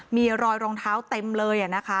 มีรอยรองเท้าเต็มเลย